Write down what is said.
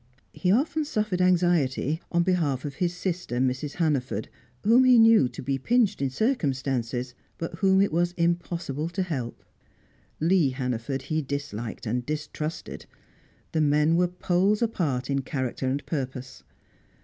He often suffered anxiety on behalf of his sister, Mrs. Hannaford, whom he knew to be pinched in circumstances, but whom it was impossible to help. Lee Hannaford he disliked and distrusted; the men were poles apart in character and purpose.